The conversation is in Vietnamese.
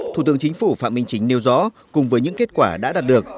thủ tướng chính phủ phạm minh chính nêu rõ cùng với những kết quả đã đạt được